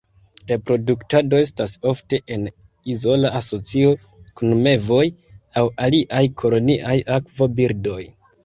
Reproduktado estas ofte en izola asocio kun mevoj aŭ aliaj koloniaj akvo birdoj.